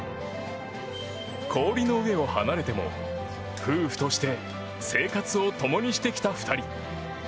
氷の上を離れても、夫婦として生活を共にしてきた２人。